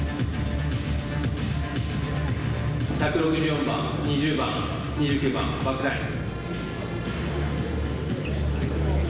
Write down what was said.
１６４番２０番２９番バックライン。